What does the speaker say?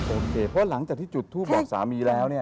โอเคเพราะหลังจากที่จุดทูปบอกสามีแล้วเนี่ย